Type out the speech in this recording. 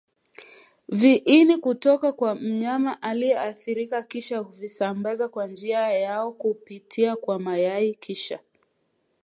viini kutoka kwa mnyama aliyeathirika Kisha huvisambaza kwa vizazi vyao kupitia kwa mayai Kisha